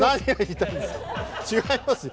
違いますよ！